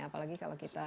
apalagi kalau kita